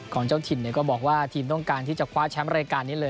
เจ้าถิ่นก็บอกว่าทีมต้องการที่จะคว้าแชมป์รายการนี้เลย